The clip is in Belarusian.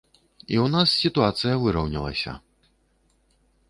І ў нас сітуацыя выраўнялася.